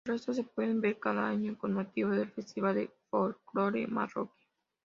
Los restos se pueden ver cada año con motivo del festival de folclore marroquí.